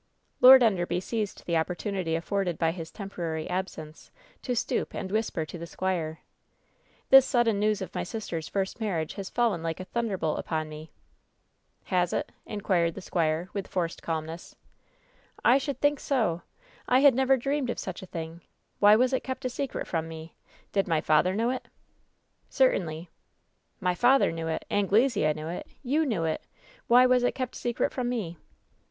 Lord Enderby seized the opportunity afforded by his temporary absence to stoop and whisper to the squire : "This sudden news of my sister's first marriage has fallen like a thunderbolt upon me !" "Has it ?" inquired the squire, with forced calmness. "I should think so ! I had never dreamed of such a thing! Why was it kept a secret from me? Did piy father know it ?" "Certainly." "My father knew it ! Anglesea knew it ! You knew it ! Why was it kept secret from me